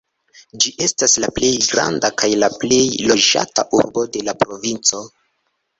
Ĝi estas la plej granda kaj plej loĝata urbo de la provinco.